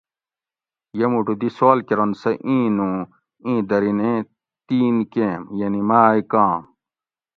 یہ مُٹو دی سوال کرنت سہۤ اِیں نُوں اِیں درین ایں تِین کیم؟ یعنی ماۤئ کام؟